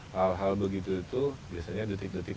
hal hal begitu itu biasanya detik detik